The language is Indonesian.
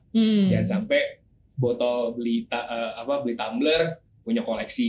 jangan sampai botol beli tumbler punya koleksi